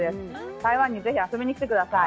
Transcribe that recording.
台湾にぜひ遊びに来てください。